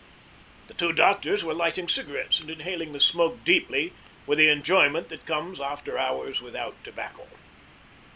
The two doctors were lighting cigarettes and inhaling the smoke deeply, with the enjoyment that comes after hours without tobacco.